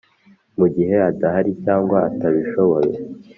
Mu gihe adahari cyangwa atabishoboye